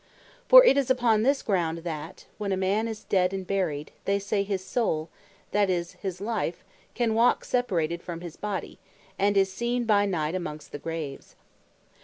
For it is upon this ground, that when a Man is dead and buried, they say his Soule (that is his Life) can walk separated from his Body, and is seen by night amongst the graves.